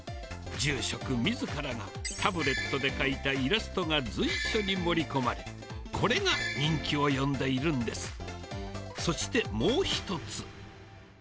住職みずからがタブレットで描いたイラストが随所に盛り込まれ、これが人気を呼んでいるんです。